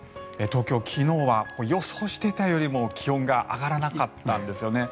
東京、昨日は予想していたよりも気温が上がらなかったんですよね。